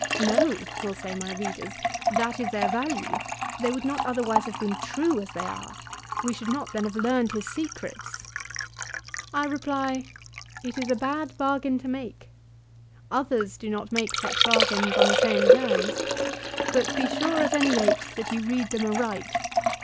" No" will say my readers, " that is their value ; they would not have other wise been true, as they are. We should not then have learned his secrets." I reply, " It is a hard bargain to make. Others do not make such bargains on the same terms. But be sure at any rate that you read them aright.